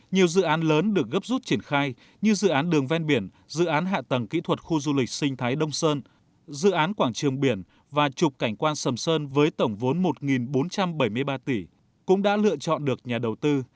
nhiều dự án lớn được gấp rút triển khai như dự án đường ven biển dự án hạ tầng kỹ thuật khu du lịch sinh thái đông sơn dự án quảng trường biển và trục cảnh quan sầm sơn với tổng vốn một bốn trăm bảy mươi ba tỷ cũng đã lựa chọn được nhà đầu tư